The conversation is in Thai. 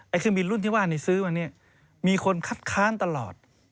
อันข้างบินรุ่นที่ว่านี้ซื้อมันนี้มีคนคัดค้านตลอด